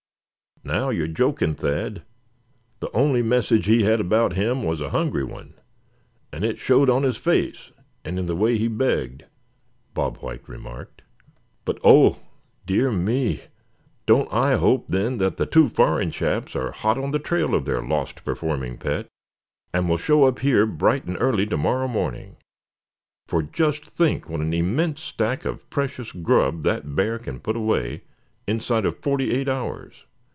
"Now you're joking, Thad; the only message he had about him was a hungry one, and it showed on his face and in the way he begged," Bob White remarked. "But, oh! dear me, don't I hope then that the two foreign chaps are hot on the trail of their lost performing pet; and will show up here bright and early to morrow morning; for just think what an immense stack of precious grub that bear can put away inside of forty eight hours."